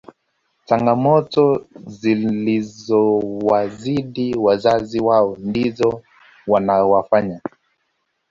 changamoto zilizowazida wazazi wao ndizo zinawafanya